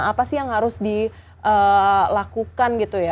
apa sih yang harus dilakukan gitu ya